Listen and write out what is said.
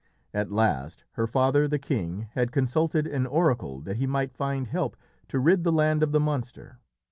At last her father, the king, had consulted an oracle that he might find help to rid the land of the monster.